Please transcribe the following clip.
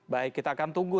baik kita akan tunggu